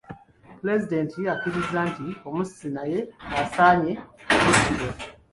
Pulezidenti akiriza nti omussi naye asaanye kuttibwa.